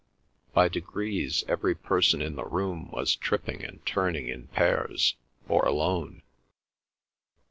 By degrees every person in the room was tripping and turning in pairs or alone.